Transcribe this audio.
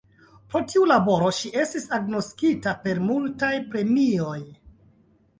Pro tiu laboro ŝi estis agnoskita per multaj premioj.